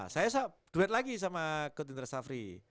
saya duet lagi sama kutin rassafi